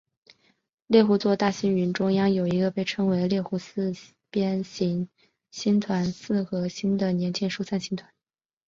猎户座大星云中央有一个被称为猎户四边形星团四合星的年轻疏散星团。